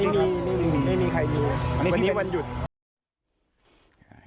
ไม่มีไม่มีไม่มีใครมีวันนี้วันหยุด